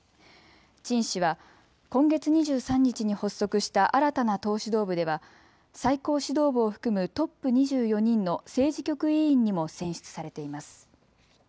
陳氏は今月２３日に発足した新たな党指導部では最高指導部を含むトップ２４人の政治局委員にも選出されています。